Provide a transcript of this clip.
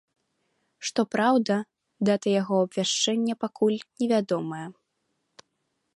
Што праўда, дата яго абвяшчэння пакуль невядомая.